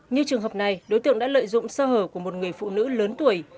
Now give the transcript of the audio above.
như trường hợp này đối tượng đã lợi dụng sơ hở của một người phụ nữ lớn tuổi